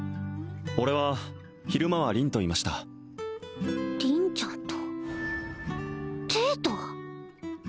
俺は昼間は凛といました凛ちゃんとデート？